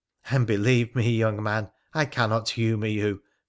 ' And believe me, young man, I cannot humour you.